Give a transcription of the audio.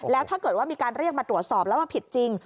แล้วถ้าเกิดว่ามีการเรียกมาตรวจสอบแล้วว่าผิดจริง